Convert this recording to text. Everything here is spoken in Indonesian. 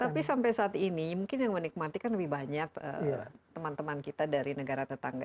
tapi sampai saat ini mungkin yang menikmati kan lebih banyak teman teman kita dari negara tetangga